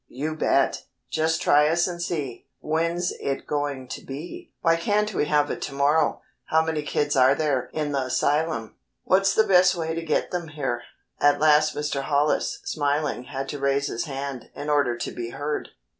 "You bet!" "Just try us and see." "When's it going to be?" "Why can't we have it to morrow?" "How many kids are there in the asylum?" "What's the best way to get them here?" At last Mr. Hollis, smiling, had to raise his hand, in order to be heard.